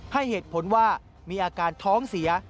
ให้เหตุผลว่ามีอาการท้องเสีย